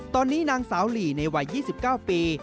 ตอนนี้นางสาวหลีในวัย๒๙ปี